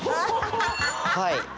はい。